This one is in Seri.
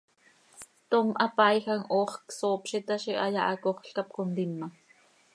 Tom hapaaijam hoox csoop z itaazi, hayaa hacoxl cap contima.